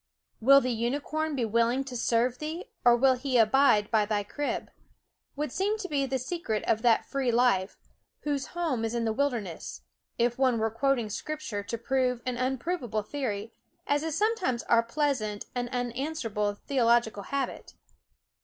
"Will the J .,..., unicorn be willing to serve thee, or will he abide by thy crib ?" would seem to be the secret of that free life " whose home is the wilderness," if one were quoting Scripture to prove an unprovable theory, as is some times our pleasant and unanswerable theo logical habit.